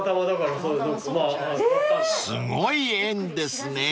［すごい縁ですね］